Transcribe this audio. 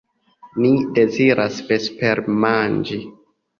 Ni deziras vespermanĝi.